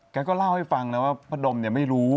แกก็เล่าให้ฟังนะว่าพระดมเนี่ยไม่รู้